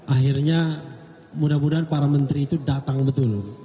akhirnya mudah mudahan para menteri itu datang betul